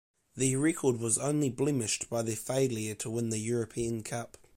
Their record was only blemished by their failure to win the European Cup.